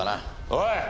おい！